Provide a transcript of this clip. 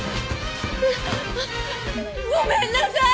ごめんなさい！